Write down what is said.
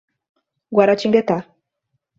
Guaratinguetá